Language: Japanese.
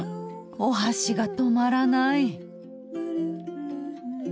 お箸が止まらない。